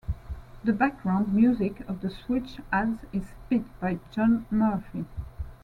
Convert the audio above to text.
The background music of the Switch Ads is "Spit" by John Murphy.